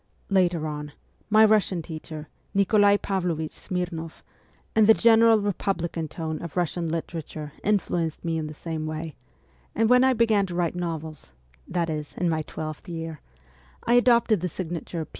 Later on, my Russian teacher, Nikolai Pavlovich Smirn6ff, and the general Republican tone of Russian literature influenced CHILDHOOD 55 me in the same way ; and when I began to write novels that is, in my twelfth year I adopted the signature P.